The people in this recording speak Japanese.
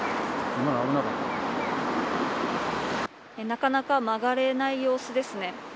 なかなか曲がれない様子ですね。